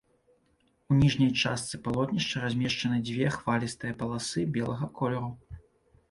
У ніжняй частцы палотнішча размешчаны дзве хвалістыя паласы белага колеру.